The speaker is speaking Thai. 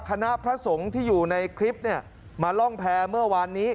คณะพระสงฆ์ที่อยู่ในคลิปเนี่ยมาล่องแพรเมื่อวานนี้